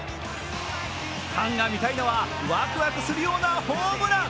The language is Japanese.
ファンが見たいのはワクワクするようなホームラン。